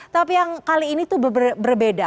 tapi yang kali ini tuh berbeda